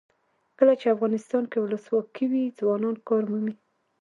کله چې افغانستان کې ولسواکي وي ځوانان کار مومي.